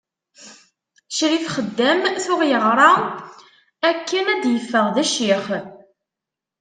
Ccrif Xeddam tuɣ yeɣra akken ad d-yeffeɣ d ccix.